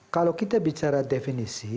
kalau kita bicara definisi